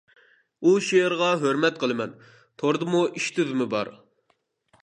ئۇ شېئىرغا ھۆرمەت قىلىمەن. توردىمۇ ئىش تۈزۈمى بار.